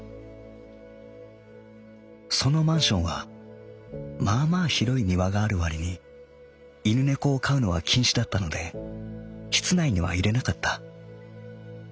そのマンションはまあまあ広い庭があるわりに犬猫を飼うのは禁止だったので室内には入れなかった。